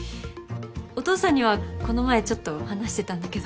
お父さんにはこの前ちょっと話してたんだけど。